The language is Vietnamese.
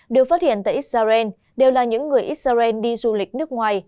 được phát hiện tại israel đều là những người israel đi du lịch nước ngoài